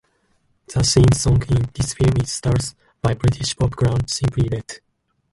The theme song in this film is "Stars" by British pop group Simply Red.